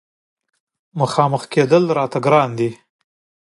مخامخ کېدل راته ګرانه دي.